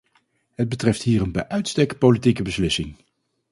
Het betreft hier een bij uitstek politieke beslissing.